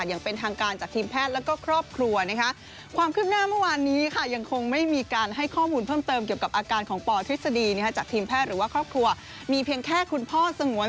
ต้องบอกว่าเมยาย่าเป็นนางเอกคู่บุญพี่ปอม